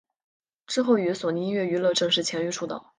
之后与索尼音乐娱乐正式签约出道。